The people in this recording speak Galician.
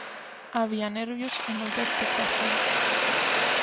Había nervios e moita expectación.